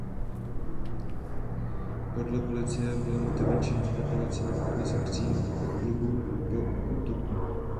Podle policie byly motivem činu spekulace na pokles akcí klubu po útoku.